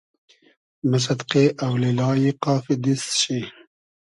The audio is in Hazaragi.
مۂ سئدقې اۆلیلای قافی دیست شی